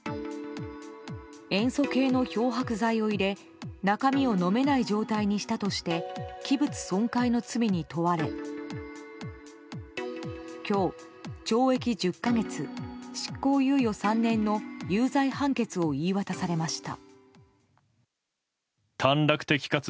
塩素系の漂白剤を入れ中身を飲めない状態にしたとして器物損壊の罪に問われ今日、懲役１０か月執行猶予３年の有罪判決を言い渡されました。